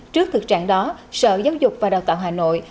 trước thực trạng đó sở giáo dục và đào tạo hà nội